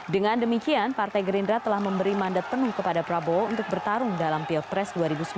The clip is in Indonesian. dengan demikian partai gerindra telah memberi mandat penuh kepada prabowo untuk bertarung dalam pilpres dua ribu sembilan belas